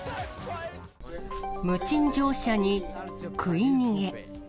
無賃乗車に食い逃げ。